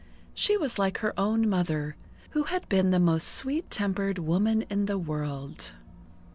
She was like her own mother, who had been the most sweet tempered woman in the world.